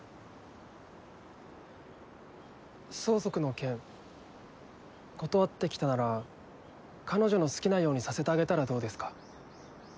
相続の件断ってきたなら彼女の好きなようにさせてあげたらどうですか。